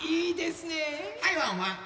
はいワンワン。